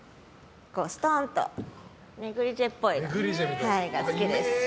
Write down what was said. ストンとネグリジェっぽいのが好きです。